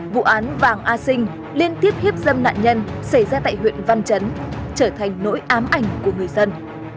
vụ án vàng a sinh liên tiếp hiếp dâm nạn nhân xảy ra tại huyện văn chấn trở thành nỗi ám ảnh của người dân